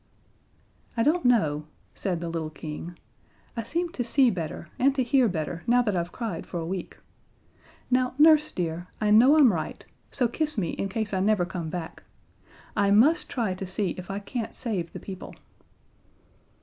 "I don't know," said the little King, "I seem to see better, and to hear better now that I've cried for a week. Now, Nurse, dear, I know I'm right, so kiss me in case I never come back. I must try to see if I can't save the people."